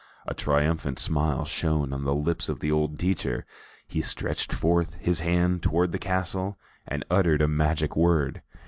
A triumphant smile shone on the lips of the old teacher; he stretched forth his hand toward the castle and uttered a magic word.